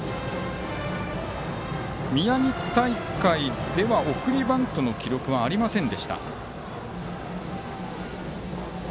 宮城大会では送りバントの記録はありません。